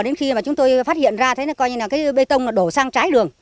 đến khi chúng tôi phát hiện ra coi như bê tông đổ sang trái đường